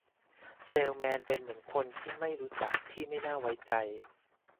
เซลล์แมนเป็นเหมือนคนไม่รู้จักที่ไม่น่าไว้ใจ